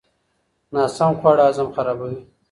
ناسم خواړه هضم خرابوي.